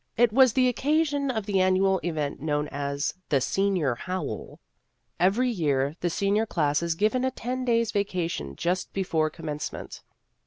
It was the occasion of the annual event known as the " Senior Howl." Every year the senior class is given a ten days' vacation just before Commence ment.